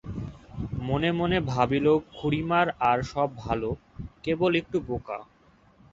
মনে মনে ভাবিল-খুড়িমার আর সব ভালো, কেবল একটু বোকা!